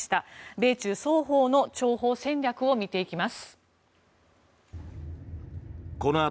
米中双方の諜報戦略を見ていきます。